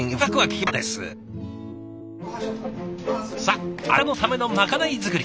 さあ明日のためのまかない作り。